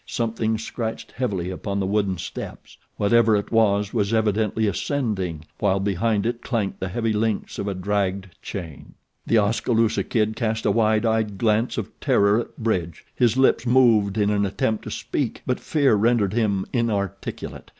Something scratched heavily upon the wooden steps. Whatever it was it was evidently ascending, while behind it clanked the heavy links of a dragged chain. The Oskaloosa Kid cast a wide eyed glance of terror at Bridge. His lips moved in an attempt to speak; but fear rendered him inarticulate.